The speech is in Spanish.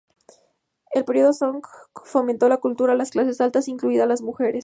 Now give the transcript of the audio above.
El periodo Song fomentó la cultura a las clases altas, incluidas las mujeres.